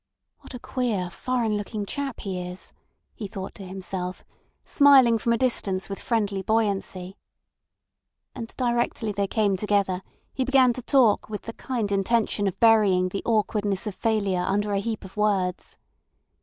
"What a queer, foreign looking chap he is," he thought to himself, smiling from a distance with friendly buoyancy. And directly they came together he began to talk with the kind intention of burying the awkwardness of failure under a heap of words.